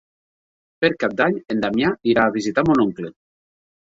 Per Cap d'Any en Damià irà a visitar mon oncle.